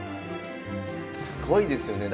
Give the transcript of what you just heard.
すごいですよね。